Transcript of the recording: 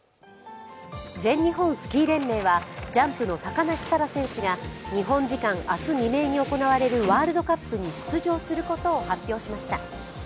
全日本スキー連盟は、ジャンプの高梨沙羅選手が日本時間、明日未明に行われるワールドカップに出場することを発表しました。